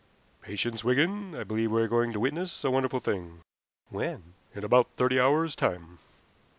"Patience, Wigan. I believe we are going to witness a wonderful thing." "When?" "In about thirty hours' time."